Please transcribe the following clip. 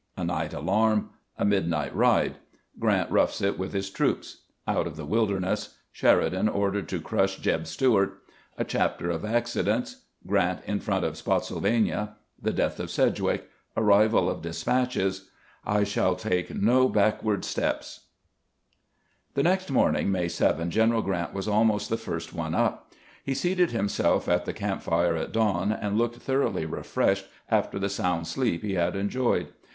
— A NIGHT ALARM — A MIDNIGHT RIDE — GRANT ROUGHS IT WITH HIS TROOPS — OUT OF THE WILDER NESS— SHERIDAN ORDERED TO CRUSH " JEB " STUART — A CHAPTER OF ACCIDENTS — GRANT IN FRONT OP SPOTTSYLVANLA — THE DEATH OF SEDGWICK — ARRIVAL OF DESPATCHES — "l SHALL TAKE NO BACKWARD STEPS " THE next morning, May 7, General G rant was almost the first one up. He seated himself at the camp fire at dawn, and looked thoroughly refreshed after the sound sleep he had enjoyed.